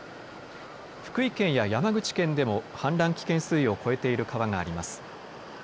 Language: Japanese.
福井県や山口県でも氾濫危険水位を超えている川があります。